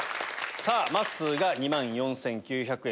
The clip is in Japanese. まっすーが２万４９００円。